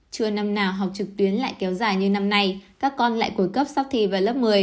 chưa năm nào học trực tuyến lại kéo dài như năm nay các con lại của cấp sắc thi vào lớp một mươi